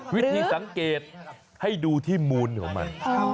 วิธีสังเกตให้ดูที่มูลของมัน